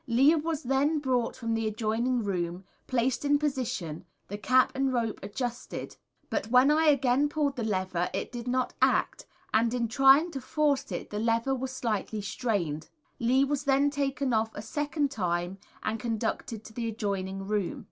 Lee was then brought from the adjoining room, placed in position, the cap and rope adjusted, but when I again pulled the lever it did not act, and in trying to force it the lever was slightly strained. Lee was then taken off a second time and conducted to the adjoining room.